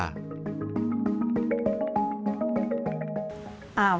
pembuat bakpia kedua di yogyakarta